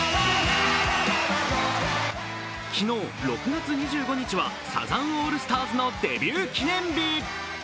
昨日６月２５日はサザンオールスターズのデビュー記念日。